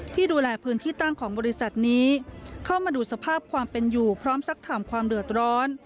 ที่ดูแลพื้นที่ตั้งของบริษัทนี้เข้ามาดูสภาพความเป็นอยู่พร้อมสักถามความเดือดร้อน